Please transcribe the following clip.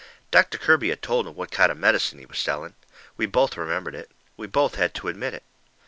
Doctor Kirby had told 'em what kind of medicine he was selling. We both remembered it. We both had to admit it.